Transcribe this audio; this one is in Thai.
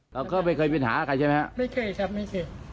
เราก็ไม่เคยเป็นหาใครใช่ไหมฮะไม่เคยครับไม่เคย